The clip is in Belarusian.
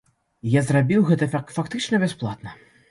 І зрабіў гэта фактычна бясплатна.